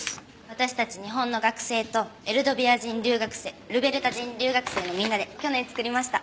私たち日本の学生とエルドビア人留学生ルベルタ人留学生のみんなで去年作りました。